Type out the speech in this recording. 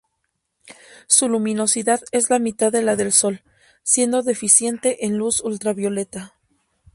Su luminosidad es la mitad de la del Sol, siendo deficiente en luz ultravioleta.